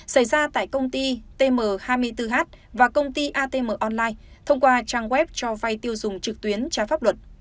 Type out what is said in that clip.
xảy ra tại công ty tm hai mươi bốn h và công ty atm online thông qua trang web cho vay tiêu dùng trực tuyến trái pháp luật